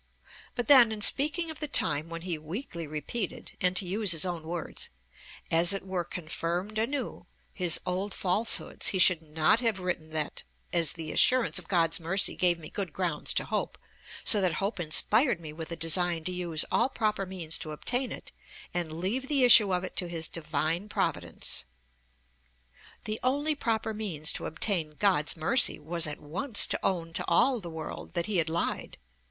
But then in speaking of the time when he weakly repeated, and to use his own words, 'as it were confirmed anew,' his old falsehoods, he should not have written that 'as the assurance of God's mercy gave me good grounds to hope, so that hope inspired me with a design to use all proper means to obtain it, and leave the issue of it to his Divine Providence' (p. 214). The only proper means to obtain God's mercy was at once to own to all the world that he had lied.